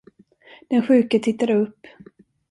Den sjuke tittade upp.